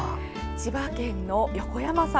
千葉県の横山さん。